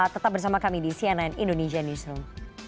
tetap bersama kami di cnn indonesia newsroom